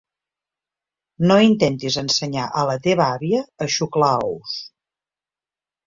No intentis ensenyar a la teva àvia a xuclar ous.